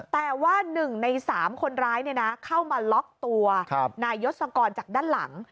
แต่ว่า๑ใน๓คนร้ายเข้ามาล็อกตัวนายยศกรจากด้านหลัง